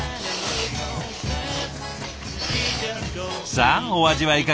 さあお味はいかがです？